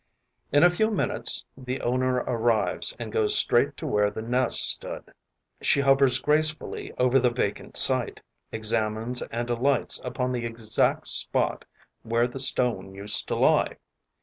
In a few minutes, the owner arrives and goes straight to where the nest stood. She hovers gracefully over the vacant site, examines and alights upon the exact spot where the stone used to lie.